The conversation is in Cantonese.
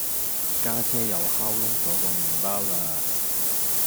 家姐又炕燶左個麵包啦